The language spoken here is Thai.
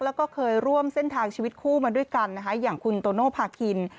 แล้วก็เคยร่วมเส้นทางชีวิตคู่มาด้วยกันนะคะอย่างคุณโตโนภาคิน